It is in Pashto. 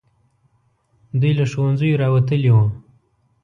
دوی له ښوونځیو راوتلي وو.